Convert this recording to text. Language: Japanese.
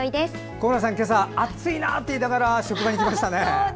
小村さん、今朝暑いなって言いながら職場に来ましたね。